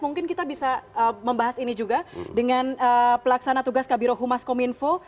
mungkin kita bisa membahas ini juga dengan pelaksana tugas kabiro humas kominfo